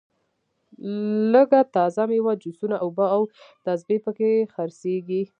لږه تازه میوه جوسونه اوبه او تسبې په کې خرڅېږي.